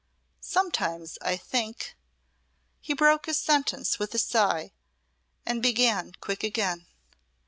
Sometimes I think " He broke his sentence with a sigh and began quick again.